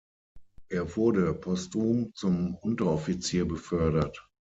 Er wurde postum zum Unteroffizier befördert.